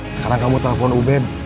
sekarang kamu telepon uben